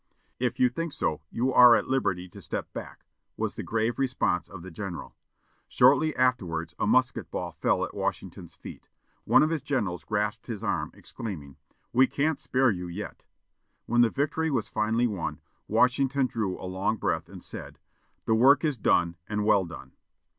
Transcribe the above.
"If you think so, you are at liberty to step back," was the grave response of the general. Shortly afterwards a musket ball fell at Washington's feet. One of his generals grasped his arm, exclaiming, "We can't spare you yet." When the victory was finally won, Washington drew a long breath and said, "The work is done and well done."